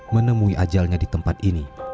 menemui ajalnya di tempat ini